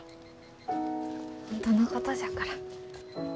本当のことじゃから。